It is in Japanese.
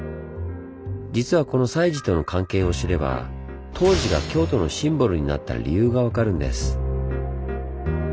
実はこの西寺との関係を知れば東寺が京都のシンボルになった理由が分かるんです。